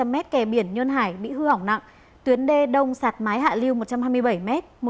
hai trăm linh m kè biển nhân hải bị hư hỏng nặng tuyến đê đông sạt mái hạ lưu một trăm hai mươi bảy m